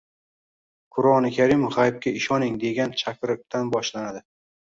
Qur’oni karim, g’aybga ishoning, degan chaqiriqdan boshlanadi.